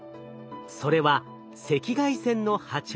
それは赤外線の波長。